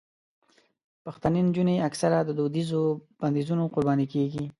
پښتنې نجونې اکثره د دودیزو بندیزونو قرباني کېږي.